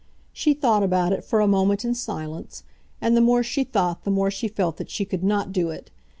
She thought about it for a moment in silence, and the more she thought the more she felt that she could not do it.